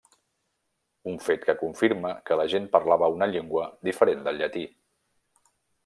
Un fet que confirma que la gent parlava una llengua diferent del llatí.